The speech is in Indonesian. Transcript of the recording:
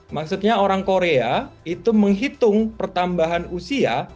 maksudnya orang korea itu menghitung pertambahan usia